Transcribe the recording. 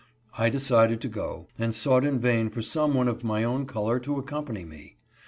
I decided to go, and sought in vain for some one of my own color to accompany me.